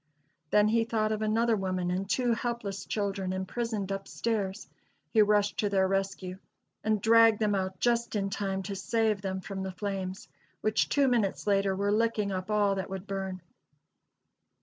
Then he thought of another woman and two helpless children imprisoned up stairs. He rushed to their rescue, and dragged them out just in time to save them from the flames, which two minutes later were licking up all that would burn.